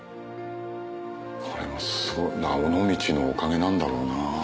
これも尾道のおかげなんだろうな。